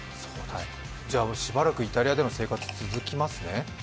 じゃあしばらくイタリアでの生活、続きますね。